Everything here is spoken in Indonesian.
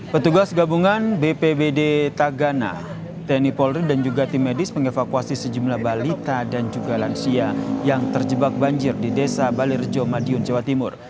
petugas gabungan bpbd tagana tni polri dan juga tim medis mengevakuasi sejumlah balita dan juga lansia yang terjebak banjir di desa balirjo madiun jawa timur